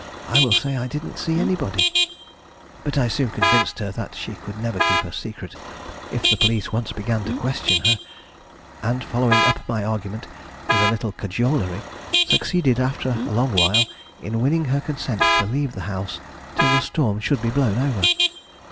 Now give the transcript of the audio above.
I will say I didn't see anybody." But I soon convinced her that she could never keep her secret if the police once began to question her, and, following up my argument with a little cajolery, succeeded after a long while in winning her consent to leave the house till the storm should be blown over.